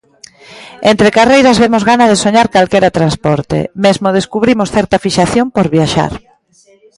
Entre carreiras vemos gana de soñar calquera transporte, mesmo descubrimos certa fixación por viaxar.